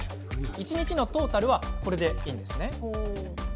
１日のトータルはこれでいいんです。